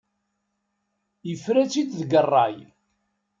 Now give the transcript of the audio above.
Yefra-tt-id deg ṛṛay.